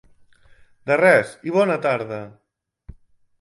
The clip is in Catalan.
De res i bona tarda!